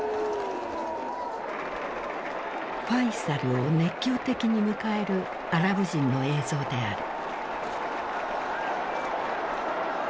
ファイサルを熱狂的に迎えるアラブ人の映像である。